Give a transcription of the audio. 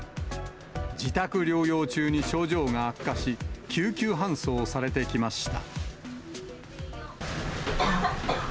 自宅療養中に症状が悪化し、救急搬送されてきました。